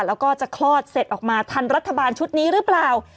แล้วก็จะคลอดเสร็จออกมาทันรัฐบาลชุดนี้หรือเปล่า